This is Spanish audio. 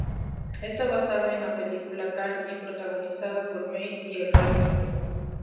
Está basada en la película "Cars" y protagonizado por Mate y el Rayo McQueen.